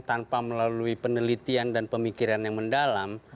tanpa melalui penelitian dan pemikiran yang mendalam